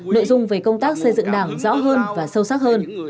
nội dung về công tác xây dựng đảng rõ hơn và sâu sắc hơn